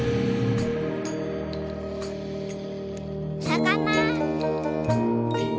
さかな。